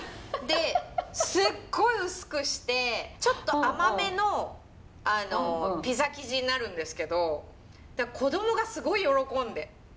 ですっごい薄くしてちょっと甘めのピザ生地になるんですけど子どもがすごい喜んで。